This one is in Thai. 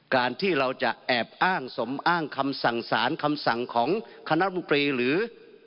การที่เราจะแอบอ้างสมอ้างคำสั่งสารคำสั่งของคณะบุรีหรือ